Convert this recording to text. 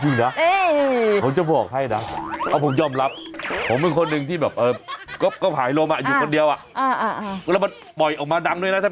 น้องเขาอาจจะโล่งแล้วก็เลยอารมณ์ไม่ได้